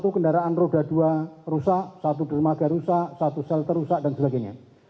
empat puluh satu kendaraan roda dua rusak satu dermaga rusak satu selter rusak dan sebagainya